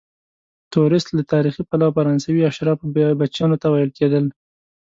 توریست له تاریخي پلوه فرانسوي اشرافو بچیانو ته ویل کیدل.